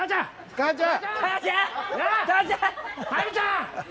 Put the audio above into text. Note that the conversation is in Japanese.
・母ちゃん！